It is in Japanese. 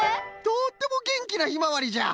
とってもげんきなヒマワリじゃ！